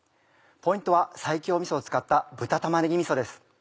ポイントは西京みそを使った豚玉ねぎみそです。